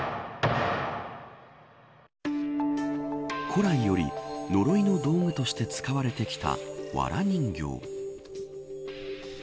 古来より、呪いの道具として使われてきたわら人形。